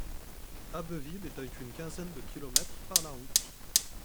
Abbeville est à une quinzaine de kilomètres par la route.